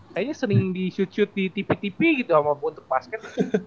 kayaknya sering di shoot shoot di tpp gitu sama untuk basket